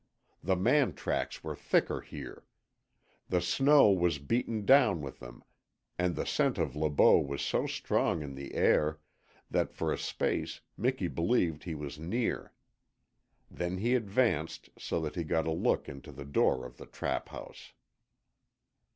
The man tracks were thicker here. The snow was beaten down with them, and the scent of Le Beau was so strong in the air that for a space Miki believed he was near. Then he advanced so that he got a look into the door of the trap house.